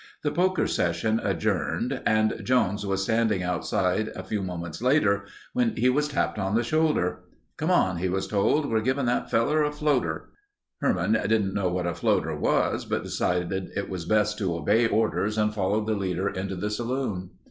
The poker session adjourned and Jones was standing outside a few moments later when he was tapped on the shoulder. "Come on," he was told. "We're giving that fellow a floater." Herman didn't know what a floater was, but decided it was best to obey orders and followed the leader into the saloon.